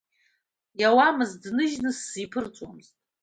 Иауамызт, дныжьны сзиԥырҵуамызт.